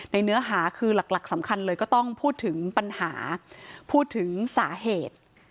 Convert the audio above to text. เนื้อหาคือหลักสำคัญเลยก็ต้องพูดถึงปัญหาพูดถึงสาเหตุ